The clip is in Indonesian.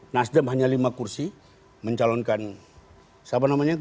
nasdem hanya lima kursi mencalonkan siapa namanya